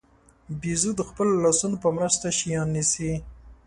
بیزو د خپلو لاسونو په مرسته شیان نیسي.